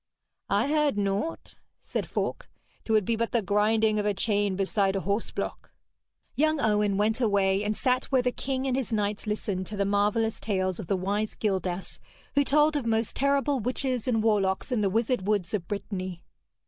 'I heard naught,' said Falk. ''Twould be but the grinding of a chain beside a horseblock.' Young Owen went away, and sat where the king and his knights listened to the marvellous tales of the wise Gildas, who told of most terrible witches and warlocks in the wizard woods of Brittany.